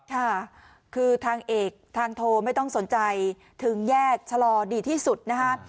ค่ะคือทางเอกทางโทไม่ต้องสนใจถึงแยกชะลอดีที่สุดนะคะ